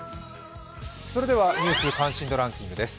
それでは「ニュース関心度ランキング」です。